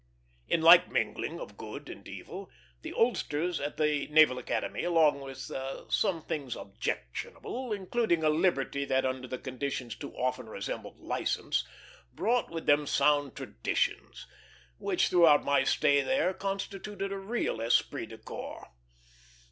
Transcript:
In like mingling of good and evil, the oldsters at the Naval Academy, along with some things objectionable, including a liberty that under the conditions too often resembled license, brought with them sound traditions, which throughout my stay there constituted a real esprit de corps.